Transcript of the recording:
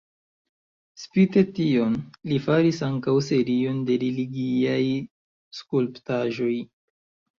Spite tion, li faris ankaŭ serion de religiaj skulptaĵoj.